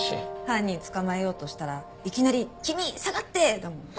犯人捕まえようとしたらいきなり「君下がって！」だもん。